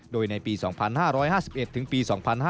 โดยในปี๒๕๕๑ถึงปี๒๕๕๙